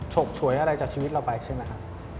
ฉกฉวยอะไรจากชีวิตเราไปใช่ไหมครับ